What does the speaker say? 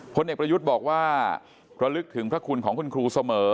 พลเอกประยุทธ์บอกว่าระลึกถึงพระคุณของคุณครูเสมอ